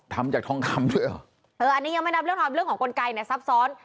ทำจากทองคำด้วยเหรอเอออันนี้ยังไม่นับเรื่องทำเรื่องของกลไกเนี่ยซับซ้อน